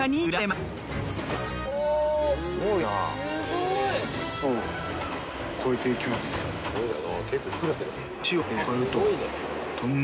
すごいね。